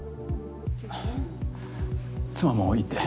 妻もいいって。